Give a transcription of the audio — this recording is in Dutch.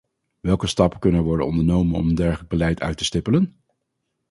Welke stappen kunnen er worden ondernomen om een degelijk beleid uit te stippelen?